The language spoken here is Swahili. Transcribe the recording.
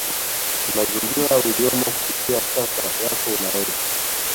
ni mazingira uliyomo Kupitia sasa yako unaweza